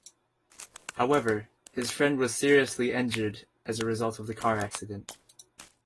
However, his friend was seriously injured as a result of the car accident.